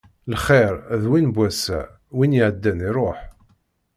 Lxiṛ d win n wass-a, win iɛeddan, iṛuḥ.